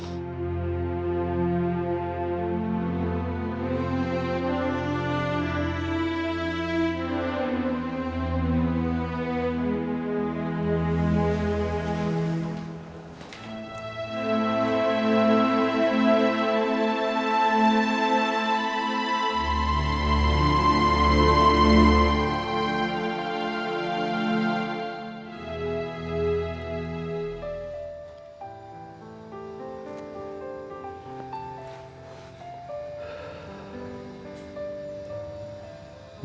amin ya allah